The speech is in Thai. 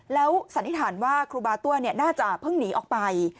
แล้วสันนิษฐานว่าครูบาตั้วน่าจะเพิ่งหนีออกไป